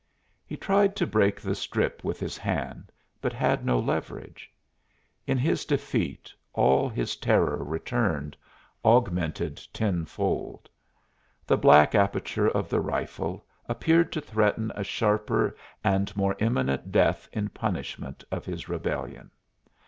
He tried to break the strip with his hand, but had no leverage. In his defeat, all his terror returned, augmented tenfold. The black aperture of the rifle appeared to threaten a sharper and more imminent death in punishment of his rebellion.